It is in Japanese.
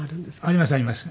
ありますあります。